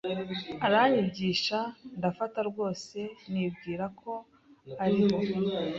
aranyigisha ndafata rwose nibwiraga ko ariho